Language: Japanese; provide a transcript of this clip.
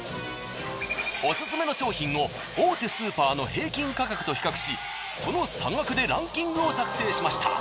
オスススメの商品を大手スーパーの平均価格と比較しその差額でランキングを作成しました。